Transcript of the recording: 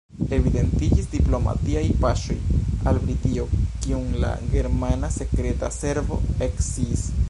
Evidentiĝis diplomatiaj paŝoj al Britio, kiun la germana sekreta servo eksciis.